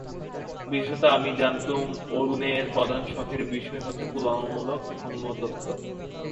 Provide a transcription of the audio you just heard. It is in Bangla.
বিশেষত আমি জানতুম, অরুণের প্রধান শখের বিষয় হচ্ছে তুলনামূলক ধর্মতত্ত্ব।